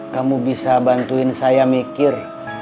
kamu bisa bantuin saya mikir